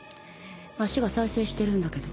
足が再生してるんだけど